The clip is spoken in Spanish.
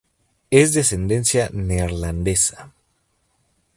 Es de ascendencia neerlandesa.